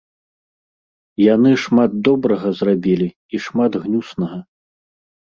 Яны шмат добрага зрабілі і шмат гнюснага.